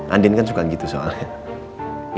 andin kan suka gitu soalnya